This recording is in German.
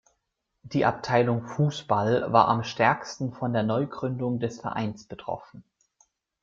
Die Abteilung Fußball war am stärksten von der Neugründung des Vereins betroffen.